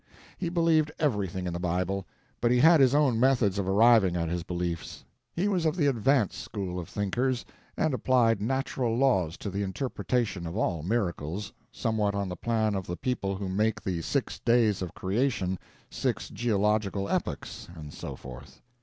He believed everything in the Bible, but he had his own methods of arriving at his beliefs. He was of the "advanced" school of thinkers, and applied natural laws to the interpretation of all miracles, somewhat on the plan of the people who make the six days of creation six geological epochs, and so forth.